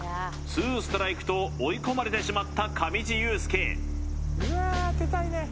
２ストライクと追い込まれてしまった上地雄輔・うわー当てたいね